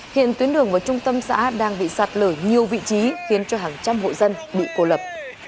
hiện tuyến đường vào trung tâm xã đang bị sạt lở nhiều vị trí khiến cho hàng trăm hộ dân bị cô lập